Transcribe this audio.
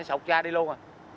nó sụp ra đi luôn